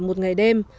một ngày đêm